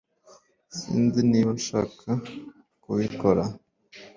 Sinzi niba nshaka kubikora